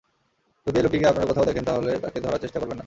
যদি এই লোকটিকে আপনারা কোথাও দেখেন তাহলে তাকে ধরার চেষ্টা করবেন না।